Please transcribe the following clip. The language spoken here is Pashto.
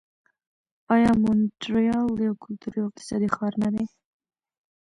آیا مونټریال یو کلتوري او اقتصادي ښار نه دی؟